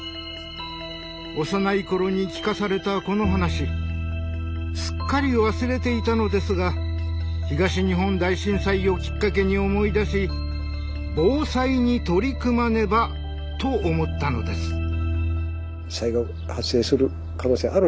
幼い頃に聞かされたこの話すっかり忘れていたのですが東日本大震災をきっかけに思い出し防災に取り組まねばと思ったのです。